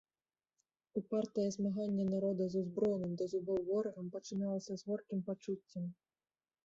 Упартае змаганне народа з узброеным да зубоў ворагам пачыналася з горкім пачуццем.